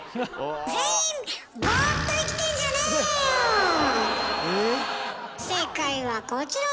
全員正解はこちらです。